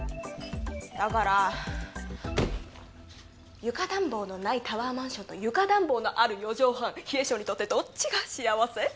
だから床暖房のないタワーマンションと床暖房のある４畳半冷え性にとってどっちが幸せ？